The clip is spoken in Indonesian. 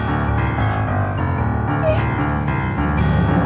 aduh apa gue raja